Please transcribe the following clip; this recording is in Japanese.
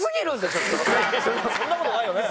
そんな事ないよね？